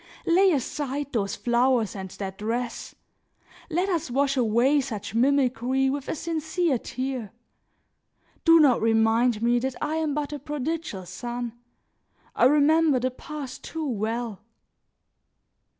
Lay aside those flowers and that dress. Let us wash away such mimicry with a sincere tear; do not remind me that I am but a prodigal son; I remember the past too well."